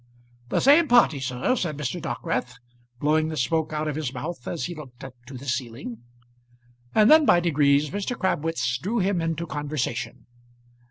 "The same party, sir," said Mr. Dockwrath, blowing the smoke out of his mouth as he looked up to the ceiling. And then by degrees Mr. Crabwitz drew him into conversation.